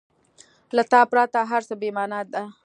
• له تا پرته هر څه بېمانا دي.